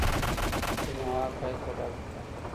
سینوهه حقایق په ډاګه کړل.